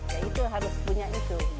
ya itu harus punya itu